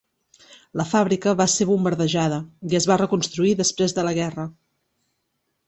La fàbrica va ser bombardejada i es va reconstruir després de la guerra.